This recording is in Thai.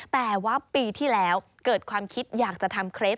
แต่ว่าปีที่แล้วเกิดความคิดอยากจะทำเคล็ด